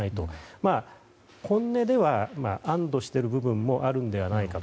まあ本音では安堵している部分もあるのではないかと。